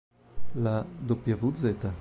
La "wz.